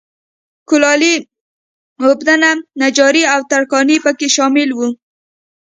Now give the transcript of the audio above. کولالي، اوبدنه، نجاري او ترکاڼي په کې شامل وو